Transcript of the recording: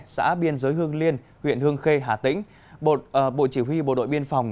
xã biên giới hương liên huyện hương khê hà tĩnh bộ chỉ huy bộ đội biên phòng